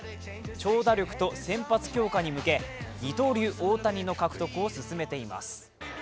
長打力と先発強化に向け、二刀流・大谷の獲得を進めています。